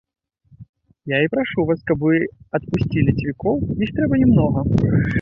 Я і прашу вас, каб вы адпусцілі цвікоў, іх трэба не многа.